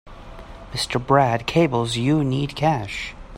Mr. Brad cables you need cash.